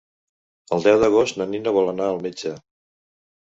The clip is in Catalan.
El deu d'agost na Nina vol anar al metge.